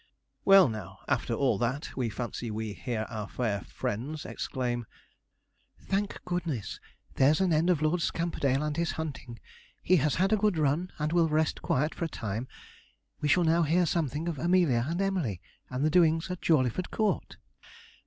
Well now, after all that, we fancy we hear our fair friends exclaim, 'Thank goodness, there's an end of Lord Scamperdale and his hunting; he has had a good run, and will rest quiet for a time; we shall now hear something of Amelia and Emily, and the doings at Jawleyford Court.'